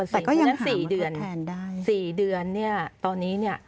แต่ก็ยังหามาทดแทนได้๔เดือนเนี่ยตอนนี้เนี่ย